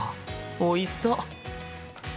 おいしそう！